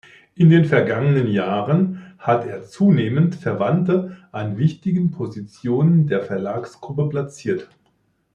In den vergangenen Jahren hat er zunehmend Verwandte an wichtigen Positionen der Verlagsgruppe platziert.